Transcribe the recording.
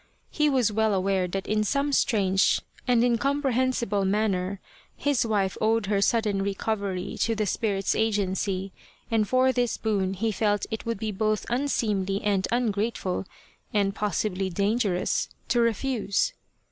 He was well aware that in some strange and incom prehensible manner his wife owed her sudden re covery to the spirit's agency, and for this boon he felt it would be both unseemly and ungrateful and possibly dangerous to refuse.